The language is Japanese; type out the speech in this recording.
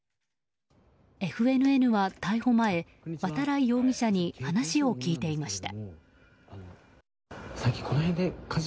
ＦＮＮは逮捕前、渡来容疑者に話を聞いていました。